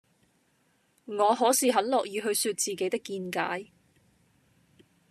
我可是很樂意去說自己的見解